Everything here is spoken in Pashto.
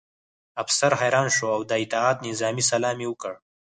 افسر حیران شو او د اطاعت نظامي سلام یې وکړ